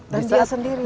dan dia sendirian